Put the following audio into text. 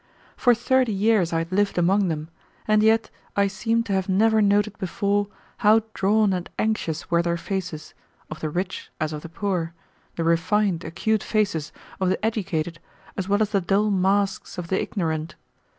For thirty years I had lived among them, and yet I seemed to have never noted before how drawn and anxious were their faces, of the rich as of the poor, the refined, acute faces of the educated as well as the dull masks of the ignorant.